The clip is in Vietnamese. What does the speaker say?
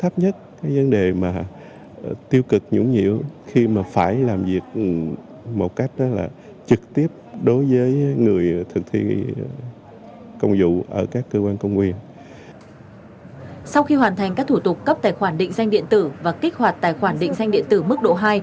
sau khi hoàn thành các thủ tục cấp tài khoản định danh điện tử và kích hoạt tài khoản định danh điện tử mức độ hai